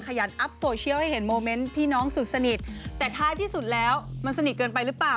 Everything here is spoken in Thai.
ยันอัพโซเชียลให้เห็นโมเมนต์พี่น้องสุดสนิทแต่ท้ายที่สุดแล้วมันสนิทเกินไปหรือเปล่า